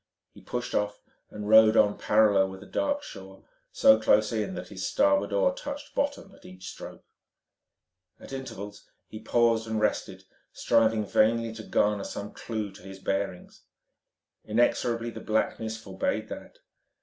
He pushed off and rowed on parallel with a dark shore line, so close in that his starboard oar touched bottom at each stroke. At intervals he paused and rested, striving vainly to garner some clue to his bearings. Inexorably the blackness forbade that.